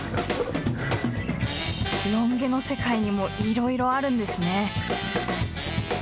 ロン毛の世界にもいろいろあるんですね。